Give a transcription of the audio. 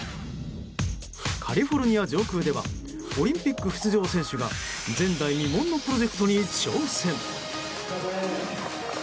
カリフォルニア上空ではオリンピック出場選手が前代未聞のプロジェクトに挑戦。